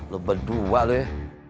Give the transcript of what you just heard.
lo berdua lo ya